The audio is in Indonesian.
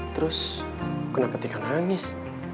terus kenapa tika nangis